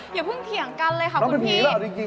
อย่าเพิ่งเถียงกันเลยค่ะคุณพี่